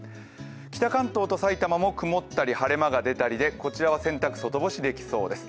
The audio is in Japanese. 北関東と埼玉の曇ったり晴れ間が出たりでこちらは洗濯、外干しできそうです